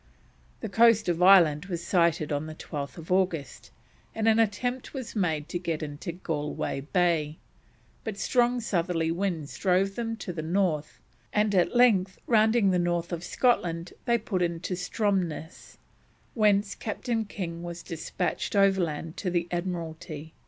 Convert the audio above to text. The coast of Ireland was sighted on 12th August, and an attempt was made to get into Galway Bay, but strong southerly winds drove them to the north, and at length, rounding the north of Scotland, they put into Stromness, whence Captain King was despatched overland to the Admiralty.